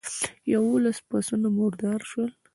يوولس پسونه مردار شول.